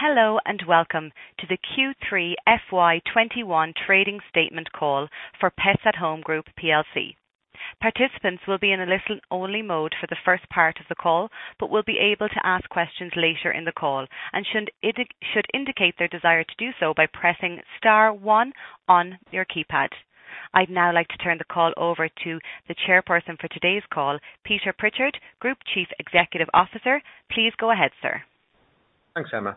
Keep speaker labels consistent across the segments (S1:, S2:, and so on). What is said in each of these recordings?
S1: Hello, and welcome to the Q3 FY 2021 trading statement call for Pets at Home Group PLC. Participants will be in a listen-only mode for the first part of the call, but will be able to ask questions later in the call and should indicate their desire to do so by pressing star one on your keypad. I'd now like to turn the call over to the chairperson for today's call, Peter Pritchard, Group Chief Executive Officer. Please go ahead, sir.
S2: Thanks, Emma.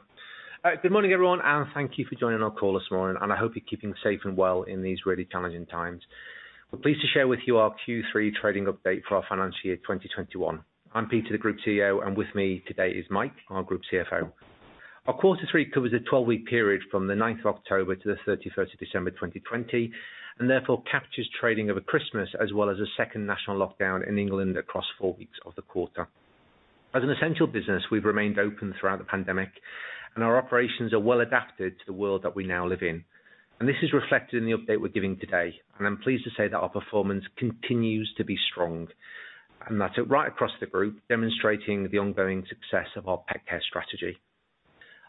S2: Good morning, everyone, and thank you for joining our call this morning, and I hope you're keeping safe and well in these really challenging times. We're pleased to share with you our Q3 trading update for our financial year 2021. I'm Peter, the Group CEO, and with me today is Mike, our Group CFO. Our quarter three covers a 12-week period from the 9th of October to the December 31st, 2020, and therefore captures trading over Christmas as well as a second national lockdown in England across four weeks of the quarter. As an essential business, we've remained open throughout the pandemic, and our operations are well adapted to the world that we now live in. This is reflected in the update we're giving today, and I'm pleased to say that our performance continues to be strong. That's right across the group, demonstrating the ongoing success of our pet care strategy.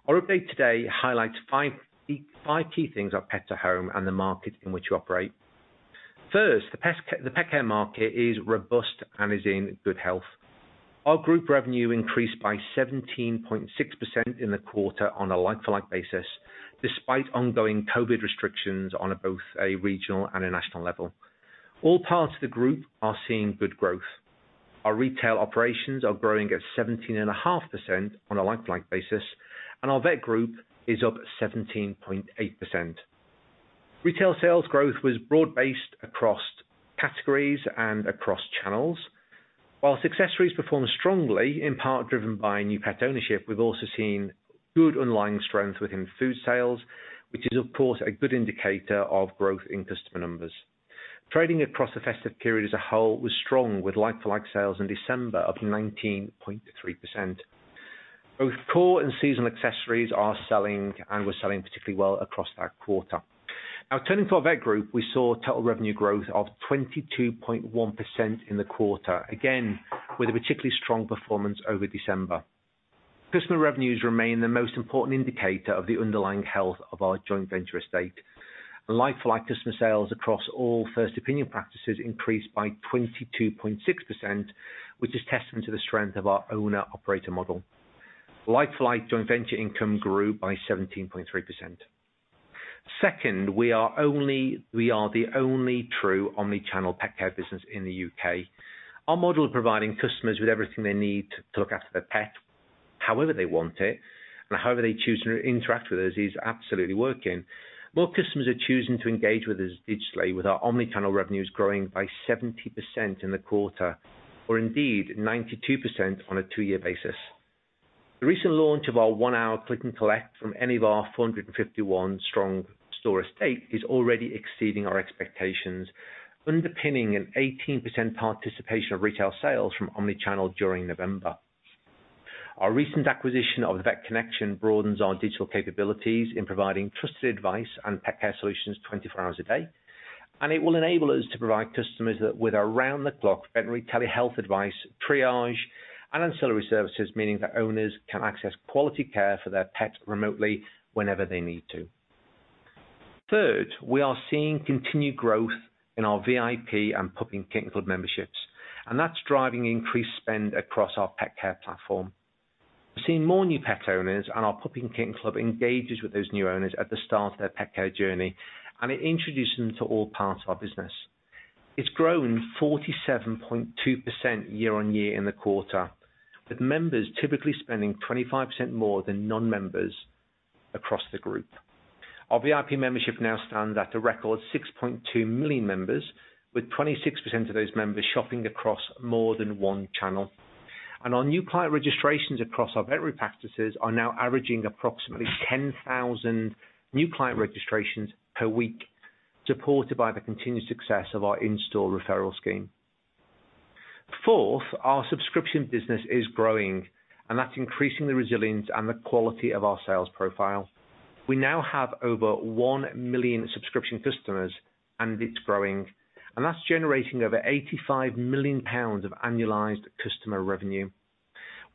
S2: Our update today highlights five key things at Pets at Home and the market in which we operate. First, the pet care market is robust and is in good health. Our group revenue increased by 17.6% in the quarter on a like-for-like basis, despite ongoing COVID restrictions on both a regional and a national level. All parts of the group are seeing good growth. Our retail operations are growing at 17.5% on a like-for-like basis, and our vet group is up 17.8%. Retail sales growth was broad-based across categories and across channels. While accessories performed strongly, in part driven by new pet ownership, we've also seen good underlying strength within food sales, which is, of course, a good indicator of growth in customer numbers. Trading across the festive period as a whole was strong with like-for-like sales in December up 19.3%. Both core and seasonal accessories are selling and were selling particularly well across that quarter. Turning to our Vet Group, we saw total revenue growth of 22.1% in the quarter, again, with a particularly strong performance over December. Customer revenues remain the most important indicator of the underlying health of our joint venture estate. Like-for-like customer sales across all first opinion practices increased by 22.6%, which is testament to the strength of our owner-operator model. Like-for-like joint venture income grew by 17.3%. Second, we are the only true omni-channel pet care business in the U.K. Our model of providing customers with everything they need to look after their pet however they want it and however they choose to interact with us is absolutely working. More customers are choosing to engage with us digitally with our omni-channel revenues growing by 70% in the quarter or indeed 92% on a two-year basis. The recent launch of our one-hour click and collect from any of our 451-strong store estate is already exceeding our expectations, underpinning an 18% participation of retail sales from omni-channel during November. Our recent acquisition of The Vet Connection broadens our digital capabilities in providing trusted advice and pet care solutions 24 hours a day, it will enable us to provide customers with around the clock veterinary telehealth advice, triage, and ancillary services, meaning that owners can access quality care for their pets remotely whenever they need to. Third, we are seeing continued growth in our VIP and Puppy and Kitten Club memberships, that's driving increased spend across our pet care platform. We're seeing more new pet owners, our Puppy and Kitten Club engages with those new owners at the start of their pet care journey, it introduces them to all parts of our business. It's grown 47.2% year-over-year in the quarter, with members typically spending 25% more than non-members across the group. Our VIP membership now stands at a record 6.2 million members, with 26% of those members shopping across more than one channel. Our new client registrations across our veterinary practices are now averaging approximately 10,000 new client registrations per week, supported by the continued success of our in-store referral scheme. Fourth, our subscription business is growing, that's increasing the resilience and the quality of our sales profile. We now have over 1 million subscription customers. It's growing. That's generating over 85 million pounds of annualized customer revenue.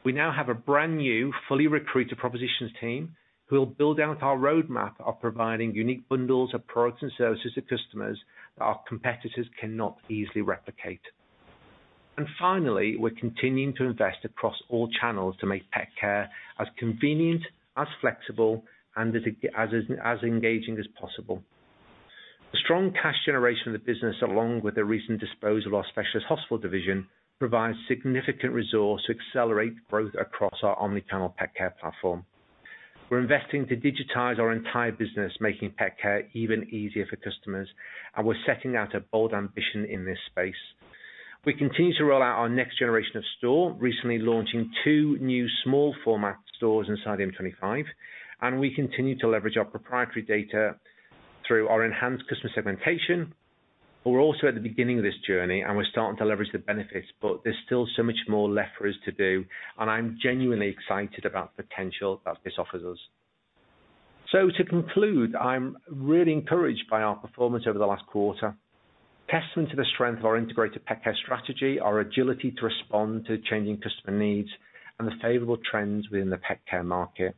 S2: We now have a brand new, fully recruited propositions team who will build out our roadmap of providing unique bundles of products and services to customers that our competitors cannot easily replicate. Finally, we're continuing to invest across all channels to make pet care as convenient, as flexible, and as engaging as possible. The strong cash generation of the business, along with the recent disposal of our specialist hospital division, provides significant resource to accelerate growth across our omni-channel pet care platform. We're investing to digitize our entire business, making pet care even easier for customers, and we're setting out a bold ambition in this space. We continue to roll out our next generation of store, recently launching two new small format stores inside M25, and we continue to leverage our proprietary data through our enhanced customer segmentation. We're also at the beginning of this journey, and we're starting to leverage the benefits. There's still so much more left for us to do, and I'm genuinely excited about the potential that this offers us. To conclude, I'm really encouraged by our performance over the last quarter. Testament to the strength of our integrated pet care strategy, our agility to respond to changing customer needs, and the favorable trends within the pet care market.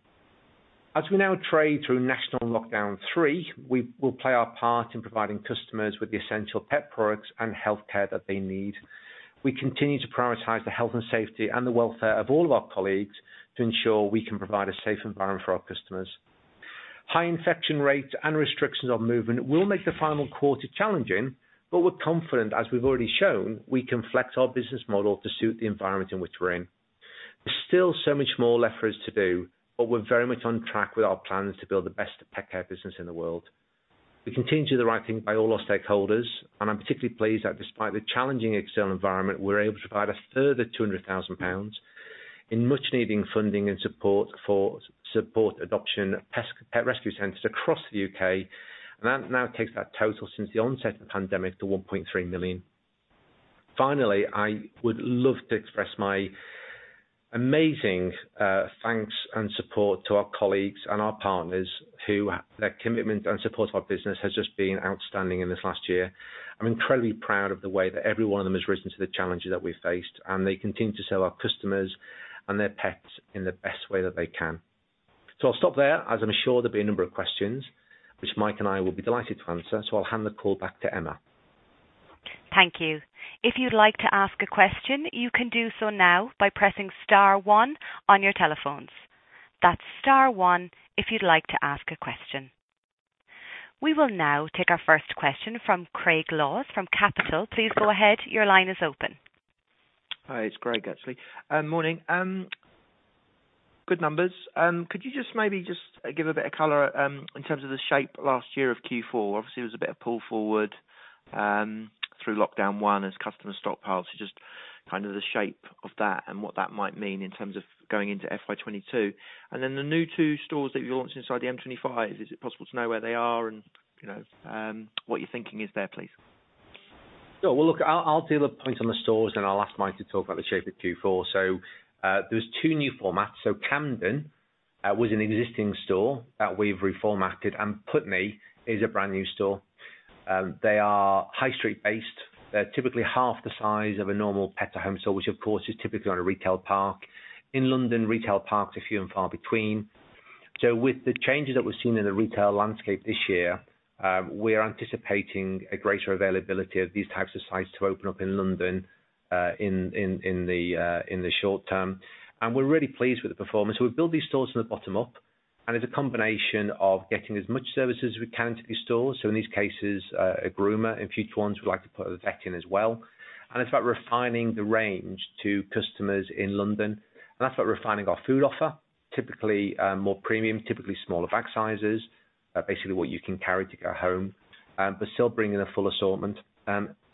S2: As we now trade through national lockdown three, we will play our part in providing customers with the essential pet products and healthcare that they need. We continue to prioritize the health and safety and the welfare of all of our colleagues to ensure we can provide a safe environment for our customers. High infection rates and restrictions on movement will make the final quarter challenging, but we're confident, as we've already shown, we can flex our business model to suit the environment in which we're in. There's still so much more left for us to do, but we're very much on track with our plans to build the best pet care business in the world. We continue to do the right thing by all our stakeholders, and I'm particularly pleased that despite the challenging external environment, we're able to provide a further 200,000 pounds in much-needed funding and support for Support Adoption For Pets rescue centers across the U.K., and that now takes that total since the onset of the pandemic to 1.3 million. Finally, I would love to express my amazing thanks and support to our colleagues and our partners. Their commitment and support of our business has just been outstanding in this last year. I'm incredibly proud of the way that every one of them has risen to the challenges that we've faced, and they continue to serve our customers and their pets in the best way that they can. I'll stop there, as I'm sure there'll be a number of questions, which Mike and I will be delighted to answer. I'll hand the call back to Emma.
S1: Thank you. If you would like to ask a question, you can do so now by pressing star one. Press star one if you would like to ask a question. We will now take our first question from Greg Lawless from Shore Capital. Please go ahead. Your line is open.
S3: Hi, it's Greg, actually. Morning. Good numbers. Could you just maybe just give a bit of color in terms of the shape last year of Q4? Obviously, it was a bit of pull forward through lockdown one as customer stockpiles. Just kind of the shape of that and what that might mean in terms of going into FY 2022. Then the new two stores that you launched inside the M25, is it possible to know where they are and what your thinking is there, please?
S2: Sure. Well, look, I'll do the point on the stores. I'll ask Mike to talk about the shape of Q4. There was two new formats. Camden was an existing store that we've reformatted. Putney is a brand new store. They are high street-based. They're typically half the size of a normal Pets at Home store, which of course, is typically on a retail park. In London, retail parks are few and far between. With the changes that we've seen in the retail landscape this year, we're anticipating a greater availability of these types of sites to open up in London in the short-term. We're really pleased with the performance. We've built these stores from the bottom up. It's a combination of getting as much services as we can into these stores, so in these cases, a groomer. In future ones, we'd like to put a vet in as well. It's about refining the range to customers in London, and that's about refining our food offer. Typically more premium, typically smaller bag sizes, basically what you can carry to go home, but still bringing a full assortment.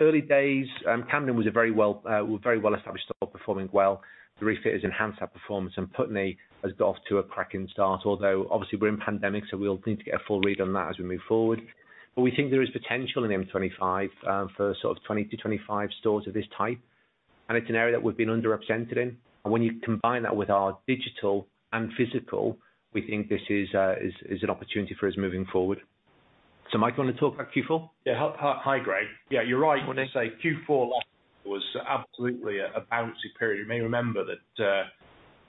S2: Early days, Camden was a very well-established store performing well. The refit has enhanced that performance, and Putney has got off to a cracking start, although obviously we're in pandemic, so we'll need to get a full read on that as we move forward. We think there is potential in M25 for sort of 20-25 stores of this type, and it's an area that we've been underrepresented in. When you combine that with our digital and physical, we think this is an opportunity for us moving forward. Mike, do you want to talk about Q4?
S4: Hi, Greg. You're right when you say Q4 last year was absolutely a bouncy period. You may remember that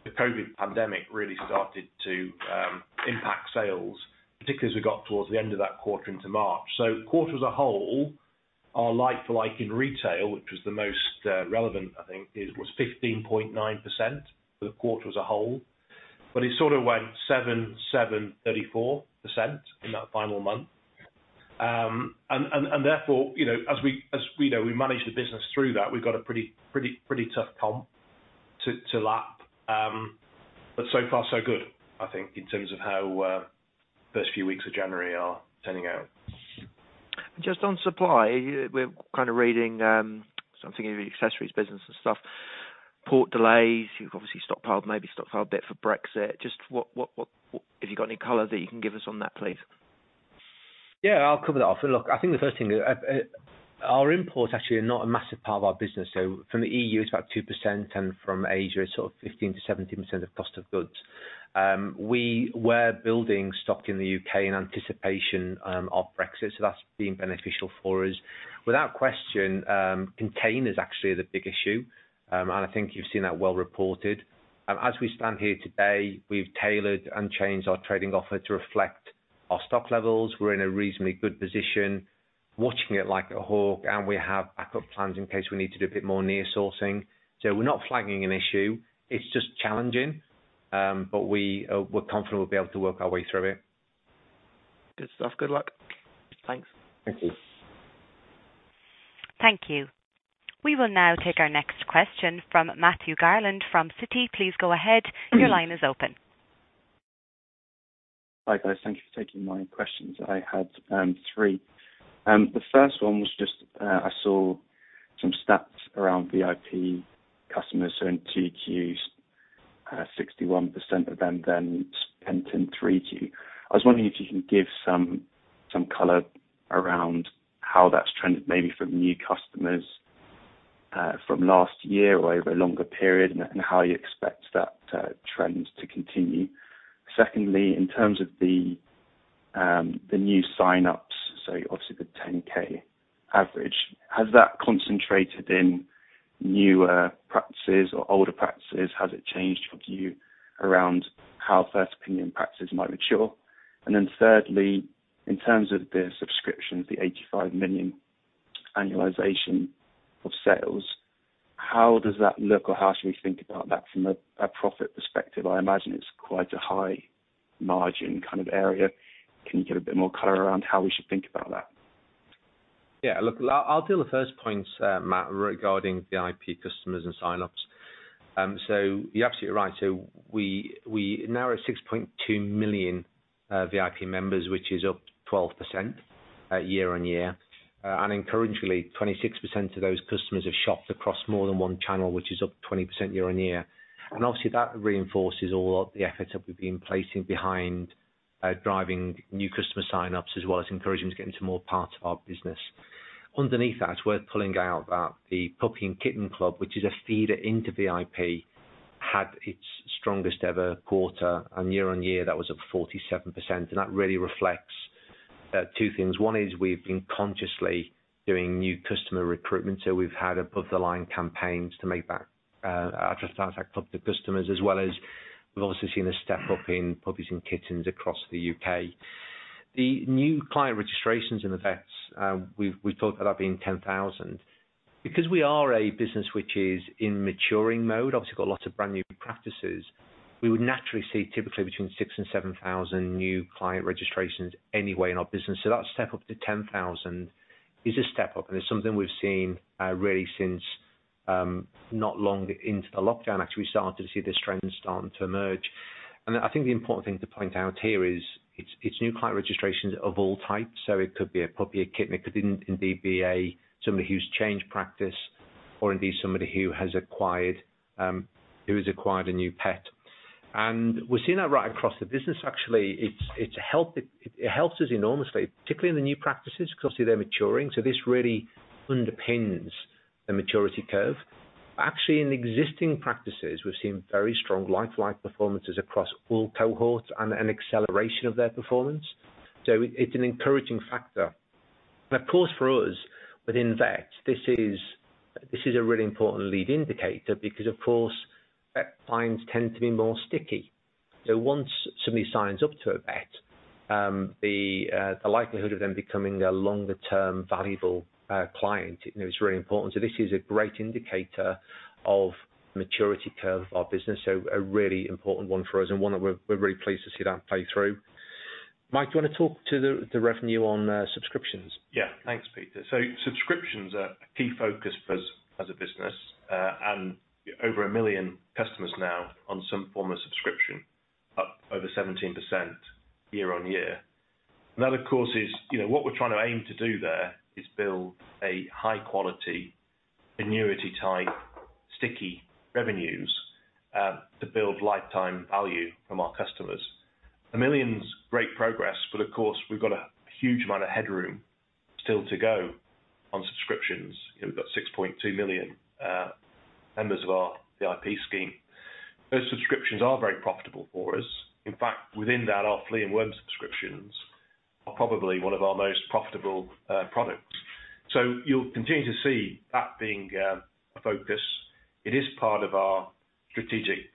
S4: the COVID pandemic really started to impact sales, particularly as we got towards the end of that quarter into March. Quarter as a whole, our like-for-like in retail, which was the most relevant, I think, was 15.9% for the quarter as a whole. It sort of went 77.34% in that final month. Therefore, as we know, we managed the business through that. We've got a pretty tough comp to lap. So far so good, I think, in terms of how first few weeks of January are turning out.
S3: Just on supply, we're kind of reading something in the accessories business and stuff, port delays, you've obviously stockpiled, maybe stockpiled a bit for Brexit. Have you got any color that you can give us on that, please?
S2: Yeah, I'll cover that off. Look, I think the first thing is our imports actually are not a massive part of our business. From the EU, it's about 2%, and from Asia, it's sort of 15%-17% of cost of goods. We were building stock in the U.K. in anticipation of Brexit, that's been beneficial for us. Without question, containers actually are the big issue, and I think you've seen that well reported. As we stand here today, we've tailored and changed our trading offer to reflect our stock levels. We're in a reasonably good position watching it like a hawk, and we have backup plans in case we need to do a bit more near sourcing. We're not flagging an issue. It's just challenging. We're confident we'll be able to work our way through it.
S3: Good stuff. Good luck. Thanks.
S2: Thank you.
S1: Thank you. We will now take our next question from Matthew Garland from Citi. Please go ahead. Your line is open.
S5: Hi, guys. Thank you for taking my questions. I had three. The first one was just I saw some stats around VIP customers who are in Q3, 61% of them then spent in 3Q. I was wondering if you can give some color around how that's trended maybe from new customers from last year or over a longer period, and how you expect that trend to continue. Secondly, in terms of the new signups, so obviously the 10-K average, has that concentrated in newer practices or older practices? Has it changed your view around how first opinion practices might mature? Thirdly, in terms of the subscriptions, the 85 million annualization of sales, how does that look or how should we think about that from a profit perspective? I imagine it's quite a high margin kind of area. Can you give a bit more color around how we should think about that?
S2: Yeah. Look, I'll do the first point, Matt, regarding VIP customers and signups. You're absolutely right. So we now are at 6.2 million VIP members, which is up 12% year-on-year. Encouragingly, 26% of those customers have shopped across more than one channel, which is up 20% year-on-year. Obviously that reinforces all the effort that we've been placing behind driving new customer signups as well as encouraging them to get into more parts of our business. Underneath that, it's worth pulling out that the Puppy and Kitten Club, which is a feeder into VIP, had its strongest ever quarter, and year-on-year, that was up 47%, and that really reflects two things. One is we've been consciously doing new customer recruitment, so we've had above-the-line campaigns to make that address that club to customers as well as we've obviously seen a step up in puppies and kittens across the U.K. The new client registrations in the vets, we've talked about that being 10,000. We are a business which is in maturing mode, obviously got lots of brand new practices, we would naturally see typically between six and seven thousand new client registrations anyway in our business. That step up to 10,000 is a step up, and it's something we've seen really since not long into the lockdown, actually, we started to see this trend starting to emerge. I think the important thing to point out here is it's new client registrations of all types, so it could be a puppy, a kitten, it could indeed be somebody who's changed practice or indeed somebody who has acquired a new pet. We're seeing that right across the business actually. It helps us enormously, particularly in the new practices, because obviously they're maturing. This really underpins the maturity curve. Actually, in existing practices, we've seen very strong lifetime performances across all cohorts and an acceleration of their performance. It's an encouraging factor. Of course, for us, within vet, this is a really important lead indicator because, of course, vet clients tend to be more sticky. Once somebody signs up to a vet, the likelihood of them becoming a longer term valuable client is really important. This is a great indicator of maturity curve of our business. A really important one for us and one that we're really pleased to see that play through. Mike, do you want to talk to the revenue on subscriptions?
S4: Yeah. Thanks, Peter. Subscriptions are a key focus for us as a business. Over 1 million customers now on some form of subscription, up over 17% year-on-year. That, of course, is what we're trying to aim to do there is build a high quality, annuity type, sticky revenues, to build lifetime value from our customers. 1 million's great progress, of course, we've got a huge amount of headroom still to go on subscriptions. We've got 6.2 million members of our VIP scheme. Those subscriptions are very profitable for us. In fact, within that, our flea and worm subscriptions are probably one of our most profitable products. You'll continue to see that being a focus. It is part of our strategic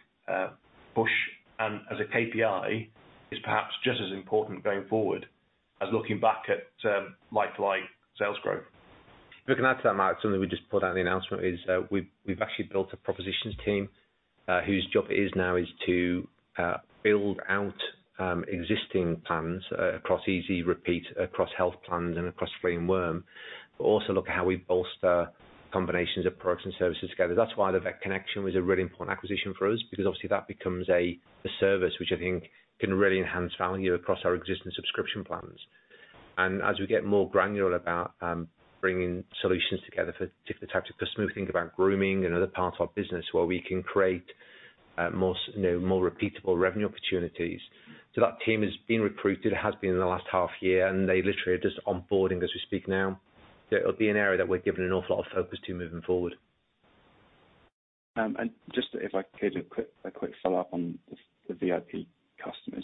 S4: push, as a KPI, is perhaps just as important going forward as looking back at lifetime sales growth.
S2: If we can add to that, Matt, something we just put out in the announcement is we've actually built a propositions team, whose job it is now is to build out existing plans across Easy Repeat, across health plans, and across flea and worm, also look at how we bolster combinations of products and services together. That's why The Vet Connection was a really important acquisition for us, because obviously that becomes a service which I think can really enhance value across our existing subscription plans. As we get more granular about bringing solutions together for different types of customers, think about grooming and other parts of our business where we can create more repeatable revenue opportunities. That team has been recruited, has been in the last half year, and they literally are just onboarding as we speak now. It'll be an area that we're giving an awful lot of focus to moving forward.
S5: Just if I could, a quick follow-up on the VIP customers.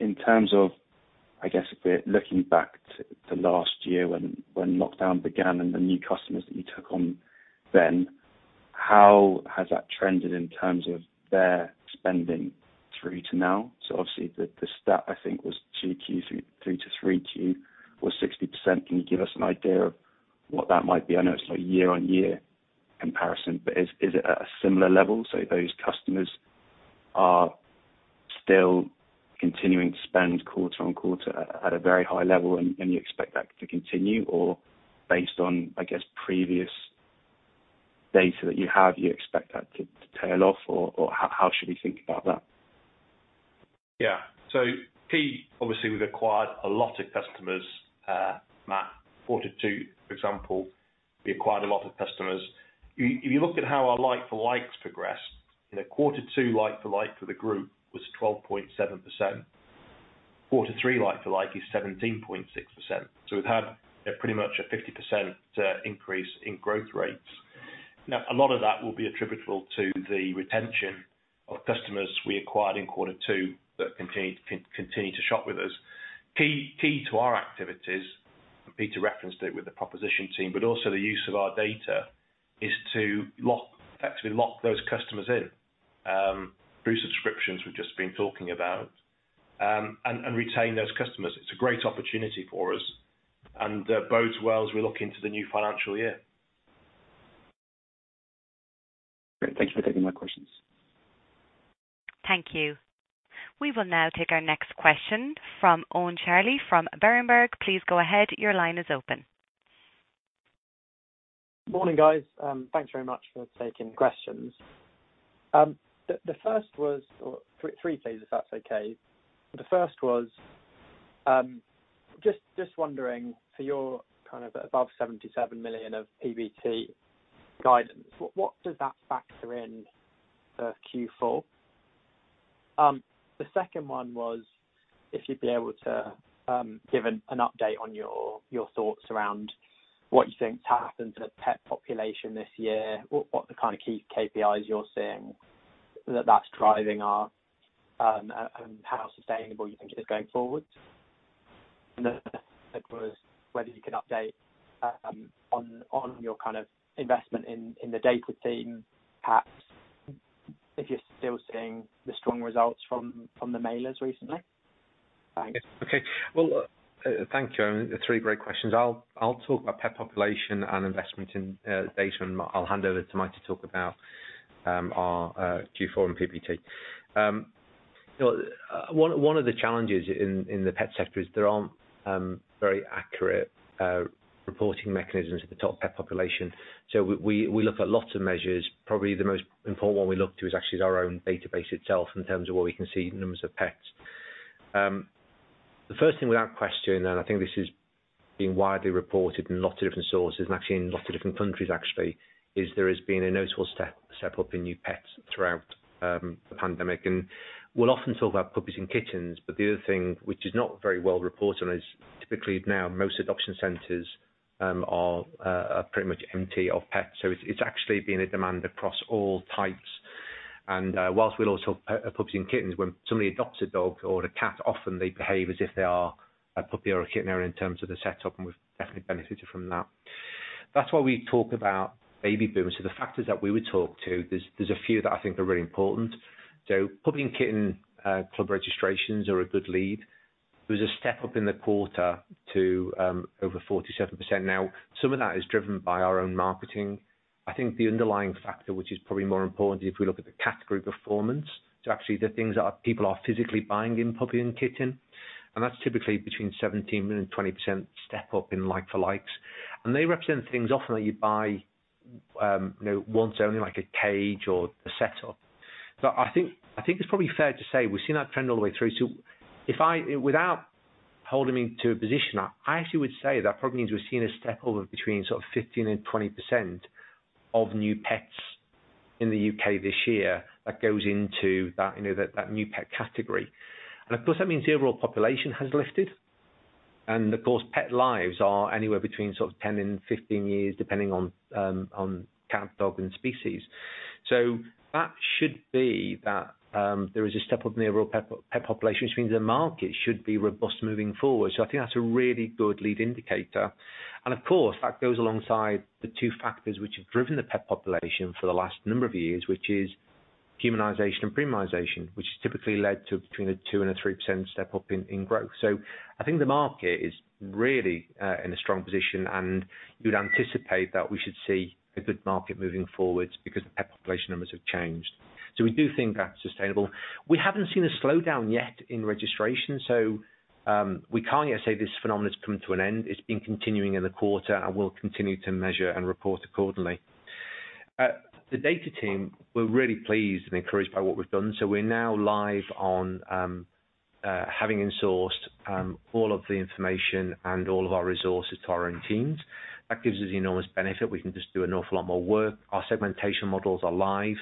S5: In terms of, I guess, if we're looking back to last year when lockdown began and the new customers that you took on then, how has that trended in terms of their spending through to now? Obviously the stat I think was 2Q through to 3Q was 60%. Can you give us an idea of what that might be? I know it's not a year-on-year comparison, but is it at a similar level? Those customers are still continuing to spend quarter-on-quarter at a very high level and you expect that to continue? Based on, I guess, previous data that you have, you expect that to tail off? How should we think about that?
S4: Yeah. Key, obviously, we've acquired a lot of customers, Matt, quarter two, for example. We acquired a lot of customers If you look at how our like-for-likes progress, in our quarter two like-for-like for the group was 12.7%. Quarter three like-for-like is 17.6%. We've had a pretty much a 50% increase in growth rates. A lot of that will be attributable to the retention of customers we acquired in quarter two that continue to shop with us. Key to our activities, and Peter referenced it with the proposition team, but also the use of our data, is to effectively lock those customers in, through subscriptions we've just been talking about, and retain those customers. It's a great opportunity for us and bodes well as we look into the new financial year.
S5: Great. Thank you for taking my questions.
S1: Thank you. We will now take our next question from Owen Shirley from Berenberg. Please go ahead. Your line is open.
S6: Morning, guys. Thanks very much for taking the questions. Three, please, if that's okay. The first was, just wondering for your above 77 million of PBT guidance, what does that factor in for Q4? The second one was if you'd be able to give an update on your thoughts around what you think's happened to the pet population this year, what the key KPIs you're seeing that that's driving are and how sustainable you think it is going forward. The third one was whether you can update on your investment in the data team, perhaps if you're still seeing the strong results from the mailers recently. Thanks.
S2: Okay. Well, thank you, Owen. Three great questions. I'll talk about pet population and investment in data, and I'll hand over to Mike to talk about our Q4 and PBT. One of the challenges in the pet sector is there aren't very accurate reporting mechanisms for the top pet population. We look at lots of measures. Probably the most important one we look to is actually our own database itself in terms of what we can see in numbers of pets. The first thing without question, and I think this is being widely reported in lots of different sources and actually in lots of different countries actually, is there has been a notable step up in new pets throughout the pandemic. We'll often talk about puppies and kittens, but the other thing which is not very well reported on is typically now most adoption centers are pretty much empty of pets. It's actually been a demand across all types. Whilst we'll also have puppies and kittens, when somebody adopts a dog or a cat, often they behave as if they are a puppy or a kitten in terms of the setup, and we've definitely benefited from that. That's why we talk about baby boom. The factors that we would talk to, there's a few that I think are really important. Puppy and Kitten Club registrations are a good lead. There was a step up in the quarter to over 47%. Now, some of that is driven by our own marketing. I think the underlying factor, which is probably more important if we look at the category performance, actually the things that people are physically buying in puppy and kitten, that's typically between 17%-20% step up in like-for-likes. They represent things often that you buy once only, like a cage or a setup. I think it's probably fair to say we've seen that trend all the way through. Without holding me to a position, I actually would say that probably means we're seeing a step over between sort of 15%-20% of new pets in the U.K. this year that goes into that new pet category. Of course, that means the overall population has lifted. Of course, pet lives are anywhere between sort of 10-15 years, depending on cat, dog and species. That should be that there is a step up in the overall pet population, which means the market should be robust moving forward. I think that's a really good lead indicator. Of course, that goes alongside the two factors which have driven the pet population for the last number of years, which is humanization and premiumization, which has typically led to between a 2% and a 3% step up in growth. I think the market is really in a strong position, and you'd anticipate that we should see a good market moving forward because the pet population numbers have changed. We do think that's sustainable. We haven't seen a slowdown yet in registration, so we can't yet say this phenomenon has come to an end. It's been continuing in the quarter and will continue to measure and report accordingly. The data team, we're really pleased and encouraged by what we've done. We're now live on having insourced all of the information and all of our resources to our own teams. That gives us enormous benefit. We can just do an awful lot more work. Our segmentation models are live.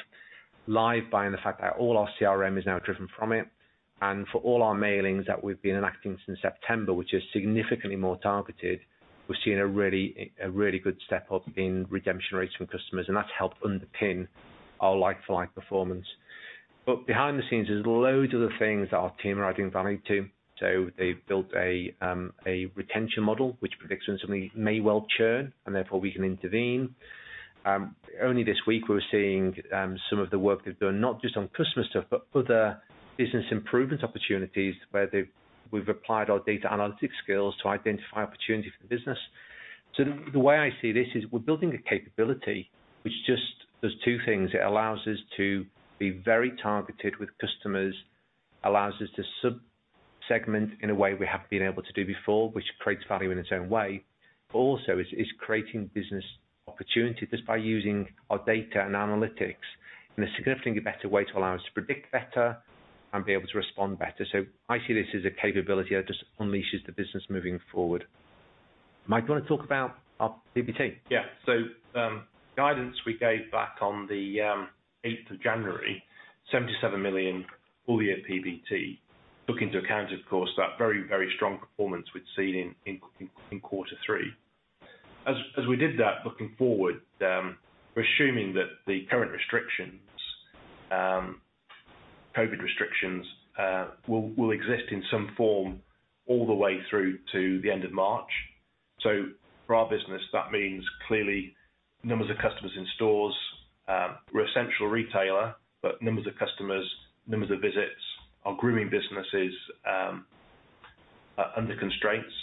S2: Live by in the fact that all our CRM is now driven from it. For all our mailings that we've been enacting since September, which is significantly more targeted, we're seeing a really good step up in redemption rates from customers, and that's helped underpin our like-for-like performance. Behind the scenes, there's loads of other things that our team are adding value to. They've built a retention model which predicts when somebody may well churn, and therefore we can intervene. Only this week we were seeing some of the work they've done, not just on customer stuff, but other business improvement opportunities where we've applied our data analytics skills to identify opportunity for the business. The way I see this is we're building a capability which just does two things. It allows us to be very targeted with customers, allows us to sub-segment in a way we haven't been able to do before, which creates value in its own way. Also is creating business opportunity just by using our data and analytics in a significantly better way to allow us to predict better and be able to respond better. I see this as a capability that just unleashes the business moving forward. Mike, do you want to talk about our PBT?
S4: The guidance we gave back on the 8th of January, 77 million full year PBT, took into account, of course, that very, very strong performance we'd seen in quarter three. We did that looking forward, we're assuming that the current restrictions, COVID restrictions, will exist in some form all the way through to the end of March. For our business, that means clearly numbers of customers in stores. We're essential retailer, numbers of customers, numbers of visits, our grooming businesses, under constraints.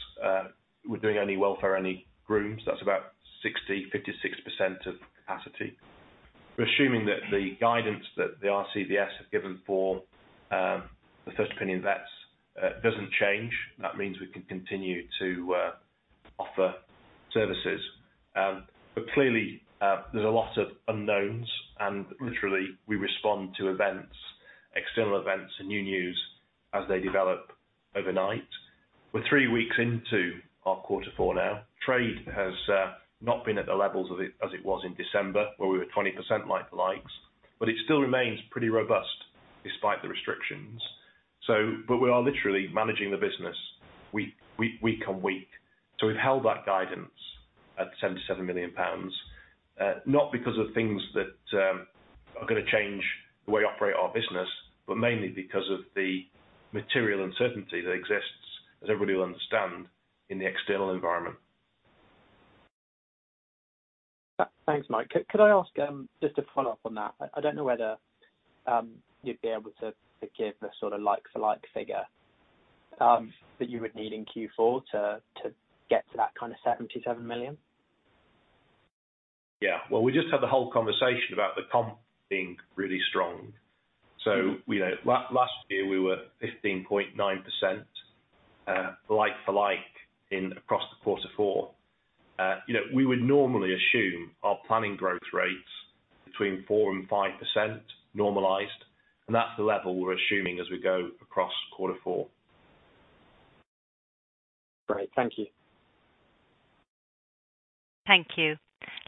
S4: We're doing only welfare, only grooms, that's about 56% of capacity. We're assuming that the guidance that the RCVS have given for the first opinion vets doesn't change. That means we can continue to offer services. Clearly, there's a lot of unknowns and literally we respond to events, external events and new news as they develop overnight. We're three weeks into our Q4 now. Trade has not been at the levels as it was in December, where we were 20% like-for-like, it still remains pretty robust despite the restrictions. We are literally managing the business week on week. We've held that guidance at 77 million pounds, not because of things that are going to change the way we operate our business, mainly because of the material uncertainty that exists, as everybody will understand, in the external environment.
S6: Thanks, Mike. Could I ask, just to follow up on that, I don't know whether you'd be able to give a like-for-like figure that you would need in Q4 to get to that kind of 77 million?
S4: Yeah. Well, we just had the whole conversation about the comp being really strong. Last year we were 15.9% like-for-like across the Q4. We would normally assume our planning growth rates between 4% and 5% normalized, and that's the level we're assuming as we go across Q4.
S6: Great. Thank you.
S1: Thank you.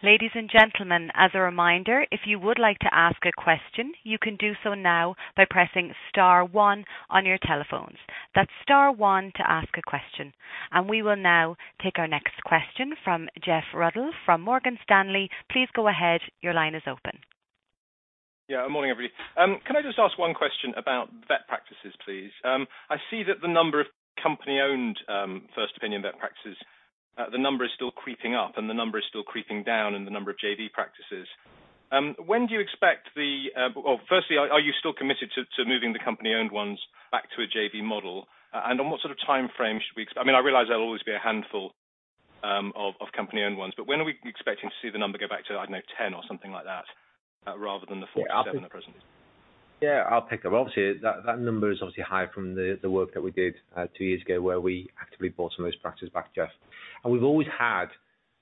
S1: Ladies and gentlemen, as a reminder, if you would like to ask a question, you can do so now by pressing star one on your telephones. That's star one to ask a question. We will now take our next question from Geoff Ruddell from Morgan Stanley. Please go ahead. Your line is open.
S7: Morning, everybody. Can I just ask one question about vet practices, please? I see that the number of company-owned First Opinion vet practices, the number is still creeping up and the number is still creeping down in the number of JV practices. When do you expect, well, firstly, are you still committed to moving the company-owned ones back to a JV model? On what sort of timeframe? I realize there'll always be a handful of company-owned ones, but when are we expecting to see the number go back to, I don't know, 10 or something like that, rather than the 47 at present?
S2: Yeah, I'll pick up. That number is obviously high from the work that we did two years ago where we actively bought some of those practices back, Geoff. We've always had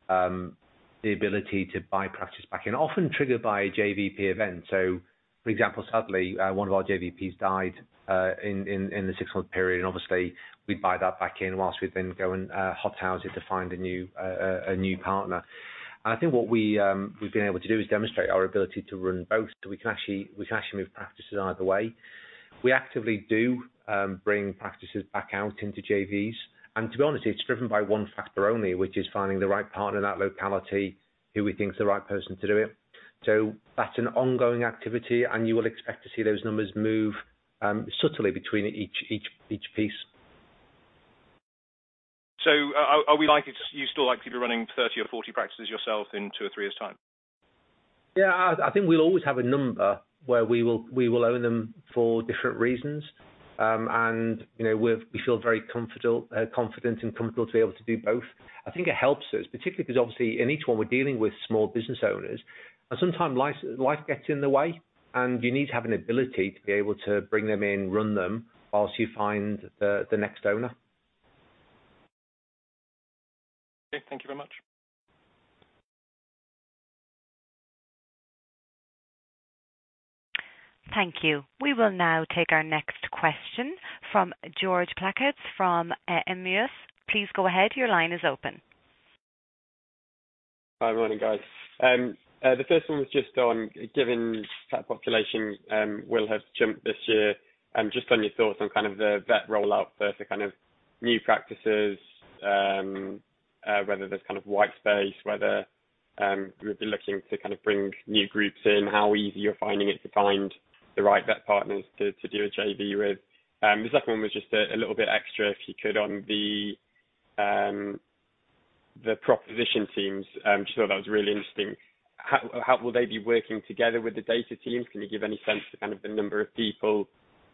S2: the ability to buy practices back in, often triggered by a JVP event. For example, sadly, one of our JVPs died in the six-month period, and obviously we'd buy that back in whilst we then go and hot house it to find a new partner. I think what we've been able to do is demonstrate our ability to run both. We can actually move practices either way. We actively do bring practices back out into JVs. To be honest, it's driven by one factor only, which is finding the right partner in that locality who we think is the right person to do it. That's an ongoing activity, and you will expect to see those numbers move subtly between each piece.
S7: Are you still likely to be running 30 or 40 practices yourself in two or three years time?
S2: Yeah. I think we'll always have a number where we will own them for different reasons. We feel very confident and comfortable to be able to do both. I think it helps us particularly because obviously in each one we're dealing with small business owners and sometimes life gets in the way and you need to have an ability to be able to bring them in, run them while you find the next owner.
S7: Okay. Thank you very much.
S1: Thank you. We will now take our next question from George Plackett from [MEAS].
S8: Hi. Morning, guys. The first one was just on given pet population will have jumped this year, just on your thoughts on kind of the vet rollout for the kind of new practices, whether there's kind of white space, whether you would be looking to bring new groups in, how easy you're finding it to find the right vet partners to do a JV with. The second one was just a little bit extra, if you could, on the proposition teams. Just thought that was really interesting. How will they be working together with the data teams? Can you give any sense to kind of the number of people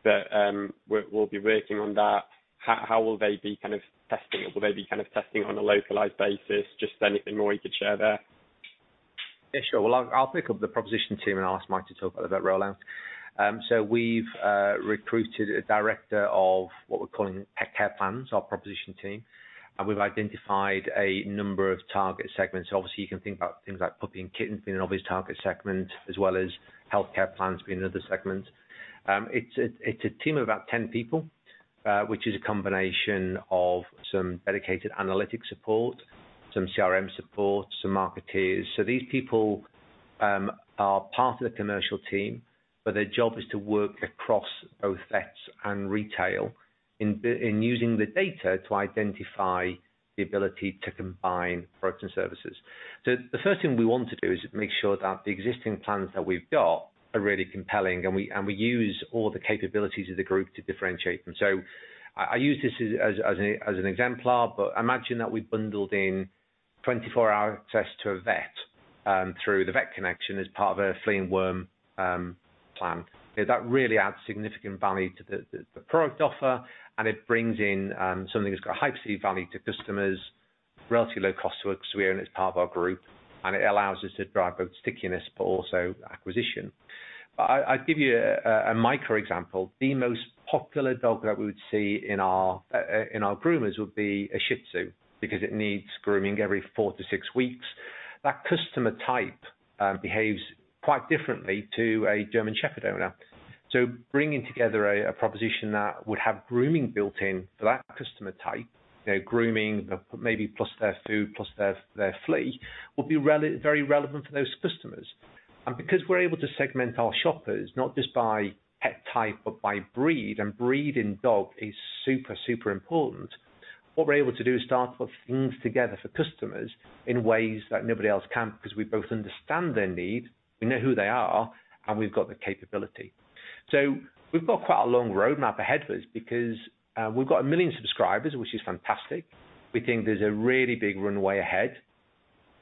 S8: that will be working on that? How will they be kind of testing it? Will they be kind of testing on a localized basis? Just anything more you could share there.
S2: Yeah, sure. Well, I'll pick up the proposition team and ask Mike to talk about the vet rollout. We've recruited a director of what we're calling Pet Care Plans, our proposition team, and we've identified a number of target segments. Obviously, you can think about things like puppy and kitten being an obvious target segment, as well as healthcare plans being another segment. It's a team of about 10 people, which is a combination of some dedicated analytic support, some CRM support, some marketeers. These people are part of the commercial team, but their job is to work across both vets and retail in using the data to identify the ability to combine products and services. The first thing we want to do is make sure that the existing plans that we've got are really compelling, and we use all the capabilities of the group to differentiate them. I use this as an exemplar, but imagine that we've bundled in 24-hour access to a vet through The Vet Connection as part of a flea and worm plan. That really adds significant value to the product offer, and it brings in something that's got high perceived value to customers, relatively low cost to us, we own it as part of our group, and it allows us to drive both stickiness but also acquisition. I'll give you a micro example. The most popular dog that we would see in our groomers would be a Shih Tzu because it needs grooming every four to six weeks. That customer type behaves quite differently to a German Shepherd owner. Bringing together a proposition that would have grooming built in for that customer type, grooming maybe plus their food, plus their flea, will be very relevant for those customers. Because we're able to segment our shoppers, not just by pet type but by breed, and breed in dog is super important, what we're able to do is start to put things together for customers in ways that nobody else can because we both understand their need, we know who they are, and we've got the capability. We've got quite a long roadmap ahead of us because we've got 1 million subscribers, which is fantastic. We think there's a really big runway ahead,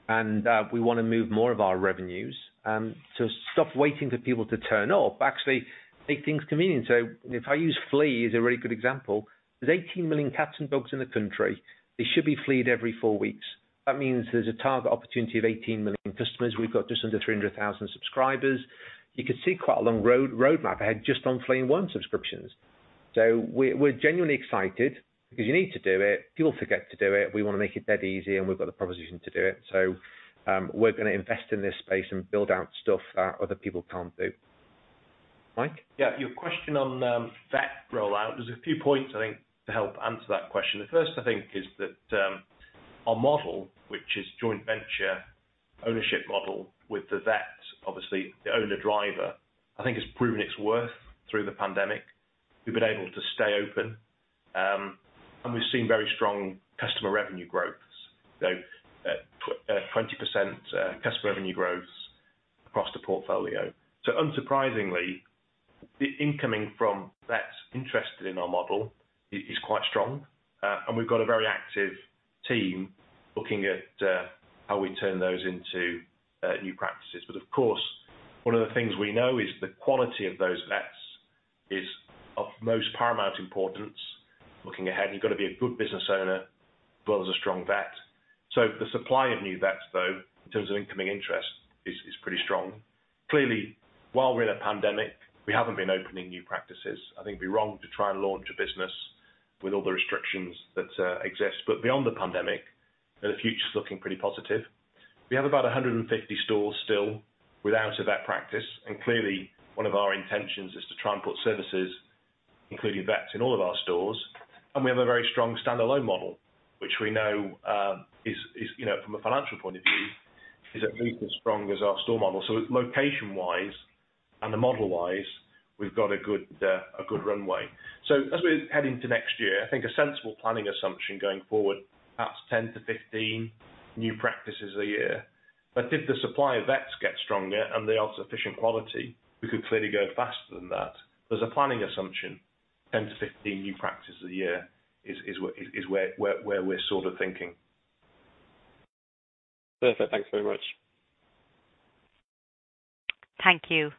S2: and we want to move more of our revenues to stop waiting for people to turn up, actually make things convenient. If I use flea as a really good example, there's 18 million cats and dogs in the country. They should be flead every four weeks. That means there's a target opportunity of 18 million customers. We've got just under 300,000 subscribers. You can see quite a long roadmap ahead just on flea and worm subscriptions. We're genuinely excited because you need to do it, people forget to do it. We want to make it dead easy, and we've got the proposition to do it. We're going to invest in this space and build out stuff that other people can't do. Mike?
S4: Yeah. Your question on vet rollout. There's a few points, I think, to help answer that question. The first, I think, is that our model, which is joint venture ownership model with the vets, obviously the owner driver, I think has proven its worth through the pandemic. We've been able to stay open, and we've seen very strong customer revenue growths. 20% customer revenue growths across the portfolio. Unsurprisingly, the incoming from vets interested in our model is quite strong. We've got a very active team looking at how we turn those into new practices. Of course, one of the things we know is the quality of those vets is of most paramount importance. Looking ahead, you've got to be a good business owner as well as a strong vet. The supply of new vets, though, in terms of incoming interest, is pretty strong. While we're in a pandemic, we haven't been opening new practices. I think it'd be wrong to try and launch a business with all the restrictions that exist. Beyond the pandemic, the future's looking pretty positive. We have about 150 stores still without a vet practice, clearly one of our intentions is to try and put services, including vets, in all of our stores. We have a very strong standalone model, which we know, from a financial point of view, is at least as strong as our store model. It's location-wise and the model-wise, we've got a good runway. As we're heading to next year, I think a sensible planning assumption going forward, perhaps 10-15 new practices a year. If the supply of vets gets stronger and they are sufficient quality, we could clearly go faster than that. As a planning assumption, 10-15 new practices a year is where we're sort of thinking.
S8: Perfect. Thanks very much.
S1: Thank you.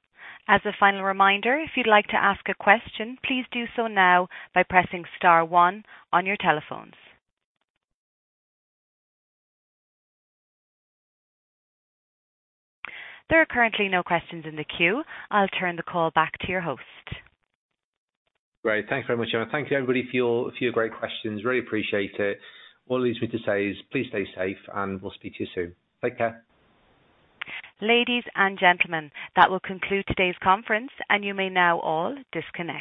S1: As a final reminder, if you'd like to ask a question, please do so now by pressing star one on your telephones. There are currently no questions in the queue. I'll turn the call back to your host.
S2: Great. Thank you very much. Thank you, everybody, for your great questions. Really appreciate it. All that leaves me to say is please stay safe, and we'll speak to you soon. Take care.
S1: Ladies and gentlemen, that will conclude today's conference, and you may now all disconnect.